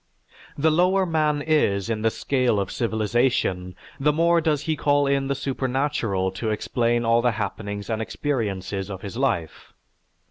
The lower man is in the scale of civilization, the more does he call in the supernatural to explain all the happenings and experiences of his life.